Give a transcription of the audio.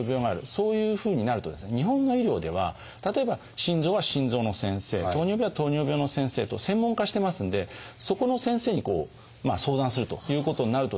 そういうふうになるとですね日本の医療では例えば心臓は心臓の先生糖尿病は糖尿病の先生と専門化してますんでそこの先生に相談するということになるとですね